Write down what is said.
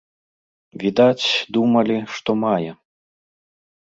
Відаць, думалі, што мае.